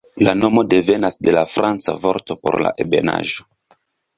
La nomo devenas de la franca vorto por 'la ebenaĵo'.